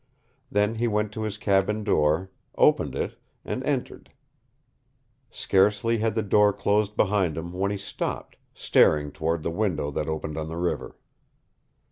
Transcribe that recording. Then he went to his cabin door, opened it, and entered, Scarcely had the door closed behind him when he stopped, staring toward the window that opened on the river.